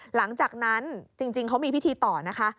หลังจากนั้นจริงเขามีพิธีต่อนะคะ